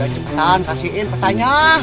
cepetan kasihin petanya